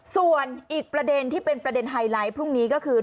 ส่วนอีกประเด็นที่เป็นประเด็นไฮไลท์พรุ่งนี้ก็คือ